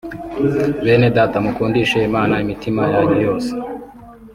Benedata mukundishe Imana imitima yanyu yose